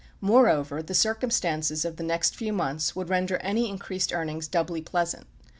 Moreover the circumstances of the next few months would render any increased earnings doubly pleasant.